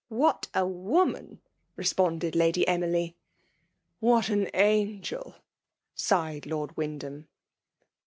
'* What a woman !" responded Lady Emily. "What an angel !" sighed Lord Wyndham.